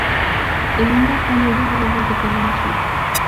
La hembra pone dos huevos de color azul.